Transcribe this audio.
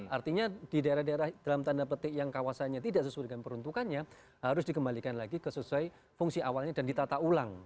artinya di daerah daerah dalam tanda petik yang kawasannya tidak sesuai dengan peruntukannya harus dikembalikan lagi ke sesuai fungsi awalnya dan ditata ulang